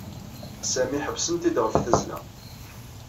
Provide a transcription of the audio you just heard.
Sami ḥebsen-t-id ɣef tazzla.